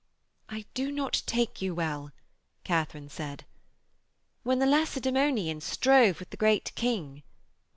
'I do not take you well,' Katharine said. 'When the Lacedæmonians strove with the Great King....'